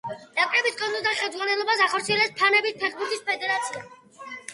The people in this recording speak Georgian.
ნაკრების კონტროლს და ხელმძღვანელობას ახორციელებს ფინეთის ფეხბურთის ფედერაცია.